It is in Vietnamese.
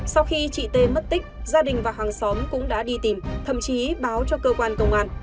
sau khi chị tê mất tích gia đình và hàng xóm cũng đã đi tìm thậm chí báo cho cơ quan công an